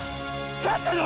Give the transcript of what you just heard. かったの？